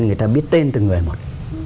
người ta biết tên từ người một